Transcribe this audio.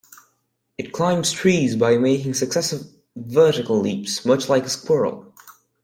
It climbs trees by making successive vertical leaps, much like a squirrel.